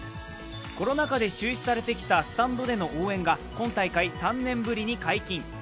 コロナ禍で中止されてきたスタンドでの応援が今大会３年ぶりに解禁。